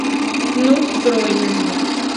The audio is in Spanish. Nuuk, Groenlandia